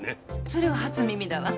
それは初耳だわ。